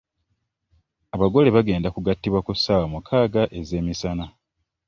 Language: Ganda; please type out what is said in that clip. Abagole bagenda kugattibwa ku ssaawa mukaga ez'emisana.